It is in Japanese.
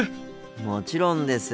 もちろんです。